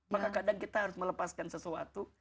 maka kadang kita harus melepaskan sesuatu